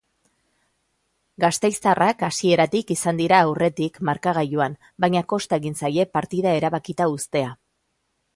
Gasteiztarrak hasieratik izan dira aurretik markagailuan baina kosta egin zaie partida erabakita uztea.